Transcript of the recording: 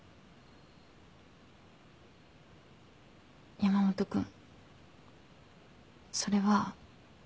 山本君それは。